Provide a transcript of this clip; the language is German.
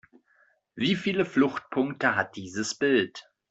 Wie viele Fluchtpunkte hat dieses Bild?